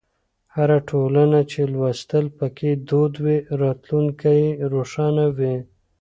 هره ټولنه چې لوستل پکې دود وي، راتلونکی یې روښانه وي.